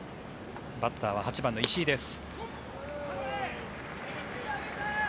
バッターは８番の石井です。